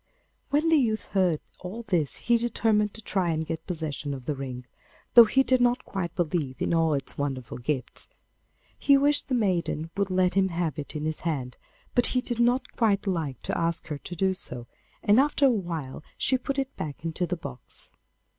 When the youth heard all this he determined to try and get possession of the ring, though he did not quite believe in all its wonderful gifts. He wished the maiden would let him have it in his hand, but he did not quite like to ask her to do so, and after a while she put it back into the box.